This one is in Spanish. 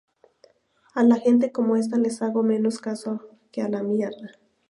A la gente como esta les hago menos caso que a la mierda".